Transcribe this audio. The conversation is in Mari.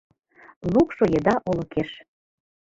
Лукшо еда олыкеш